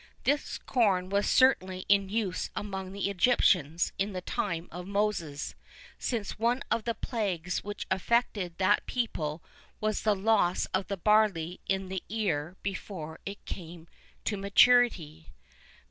[II 6] This corn was certainly in use among the Egyptians in the time of Moses, since one of the plagues which afflicted that people was the loss of the barley in the ear before it came to maturity.